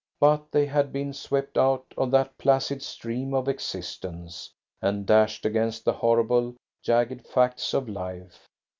But they had been swept out of that placid stream of existence, and dashed against the horrible, jagged facts of life.